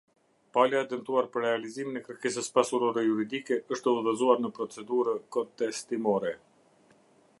Pala e dëmtuar për realizimin e kërkesës pasuroro juridike është udhëzuar në procedurë kontestimore.